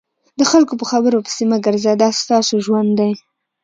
د خلکو په خبرو پسې مه ګرځه دا ستاسو ژوند دی.